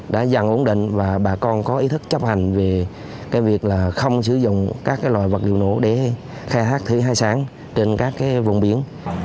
đã dần ổn định và bà con có ý thức chấp hành về việc không sử dụng các loài vật liệu nổ để khai thác thủy hải sản trên các vùng biển